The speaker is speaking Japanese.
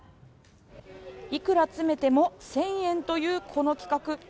いくら詰めても１０００円というこの企画。